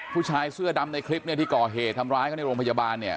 ผู้ชายเสื้อดำในคลิปเนี่ยที่ก่อเหตุทำร้ายเขาในโรงพยาบาลเนี่ย